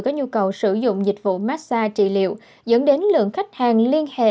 có nhu cầu sử dụng dịch vụ massage trị liệu dẫn đến lượng khách hàng liên hệ